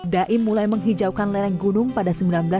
daim mulai menghijaukan lereng gunung pada seribu sembilan ratus delapan puluh